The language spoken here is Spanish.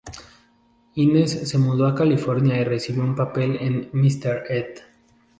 Hines se mudó a California y recibió un papel en "Mister Ed".